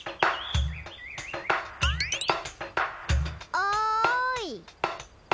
おい。